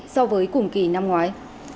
so với cùng kỳ năm ngoái